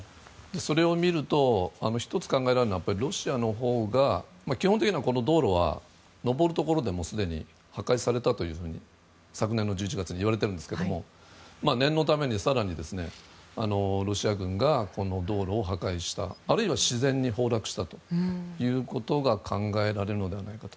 それを見ると１つ考えられるのはロシアのほうが、基本的にはこの道路は上るところでもうすでに破壊されたというふうに昨年１１月に言われているんですが念のために更にロシア軍がこの道路を破壊したあるいは自然に崩落したということが考えられるのではないかと。